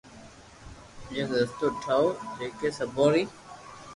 ايڪ رستو ٺاو جڪي سبو ري